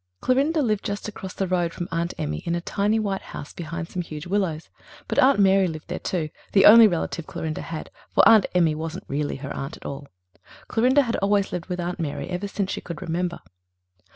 Clorinda lived just across the road from Aunt Emmy in a tiny white house behind some huge willows. But Aunt Mary lived there too the only relative Clorinda had, for Aunt Emmy wasn't really her aunt at all. Clorinda had always lived with Aunt Mary ever since she could remember.